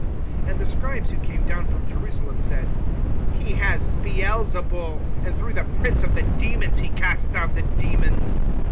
(22)And the scribes who came down from Jerusalem said: He has Beelzebul, and through the prince of the demons he casts out the demons.